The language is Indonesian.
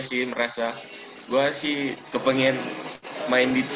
iya sih merasa gua sih kepengen main di tim tadi ya